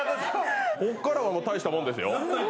ここからは大したもんですよ。